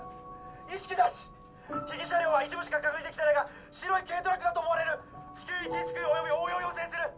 意識な被疑車両は一部しか確認できてないが白い軽トラックだと思われる至急１１９および応援を要請する！